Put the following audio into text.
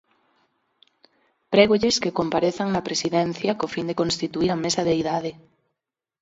Prégolles que comparezan na Presidencia co fin de constituír a Mesa de Idade.